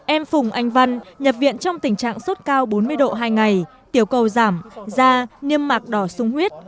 em phùng anh văn nhập viện trong tình trạng sốt cao bốn mươi độ hai ngày tiểu cầu giảm da niêm mạc đỏ sung huyết